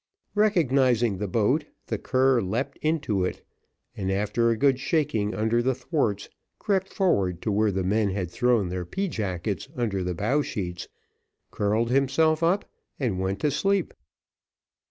Recognising the boat, the cur leapt into it, and after a good shaking under the thwarts, crept forward to where the men had thrown their pea jackets under the bow sheets, curled himself up, and went to sleep.